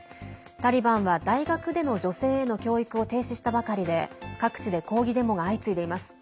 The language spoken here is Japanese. タリバンは大学での女性への教育を停止したばかりで各地で抗議デモが相次いでいます。